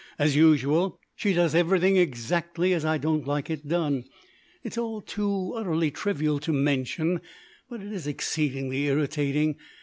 As usual, she does everything exactly as I don't like it done. It is all too utterly trivial to mention, but it is exceedingly irritating.